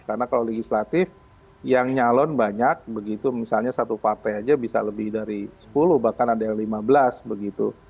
karena kalau legislatif yang nyalon banyak begitu misalnya satu partai aja bisa lebih dari sepuluh bahkan ada yang lima belas begitu